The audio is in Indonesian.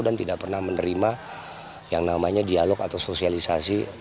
dan tidak pernah menerima yang namanya dialog atau sosialisasi